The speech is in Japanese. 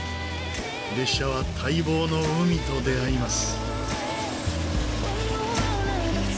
列車は待望の海と出合います。